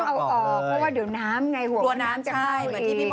เพราะว่าเดี๋ยวน้ำไงหัวว่าน้ำจะเข้าอีก